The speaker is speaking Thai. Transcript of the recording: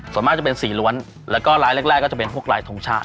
ส่วนมากจะเป็นสีล้วนแล้วก็ลายแรกก็จะเป็นพวกลายทรงชาติ